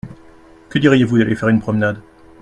Que diriez-vous d’aller faire une promenade ?